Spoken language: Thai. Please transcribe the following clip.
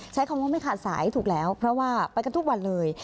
ใช้คำว่าไม่ขาดสายถูกแล้วเพราะว่าไปกันทุกวันเลย